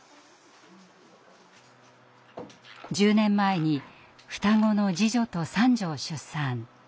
１０年前に双子の次女と三女を出産。